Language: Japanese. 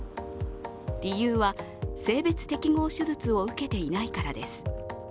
理由は、性別適合手術を受けていないからです。